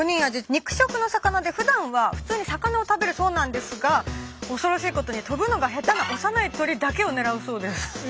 肉食の魚でふだんは普通に魚を食べるそうなんですが恐ろしいことに飛ぶのが下手な幼い鳥だけを狙うそうです。